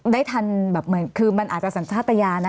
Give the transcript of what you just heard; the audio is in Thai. ได้ทันแบบเหมือนคือมันอาจจะสัญชาติยานะ